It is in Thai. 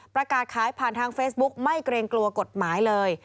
ประกาศขายผ่านทางเฟซบุ๊กไม่เกรงกลัวกฎหมายเลย